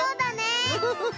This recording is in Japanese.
ウフフフ。